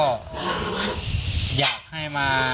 ก็อยากให้มา